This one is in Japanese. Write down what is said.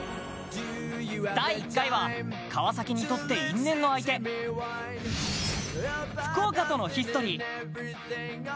第１回は川崎にとって因縁の相手、福岡とのヒストリー。